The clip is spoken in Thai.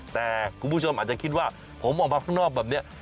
แต่คุณผู้ชมอาจจะคิดว่าผมออกมาข้างนอกแบบนี้